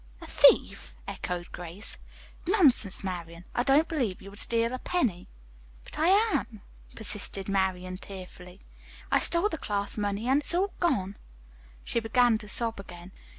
"A thief!" echoed Grace. "Nonsense, Marian. I don't believe you would steal a penny." "But I am," persisted Marian tearfully. "I stole the class money, and it's all gone." She began to sob again.